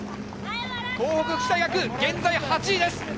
東北福祉大学、現在８位です。